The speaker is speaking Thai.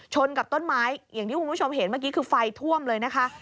กับต้นไม้อย่างที่คุณผู้ชมเห็นเมื่อกี้คือไฟท่วมเลยนะคะ